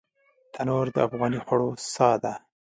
تنور د افغاني خوړو ساه ده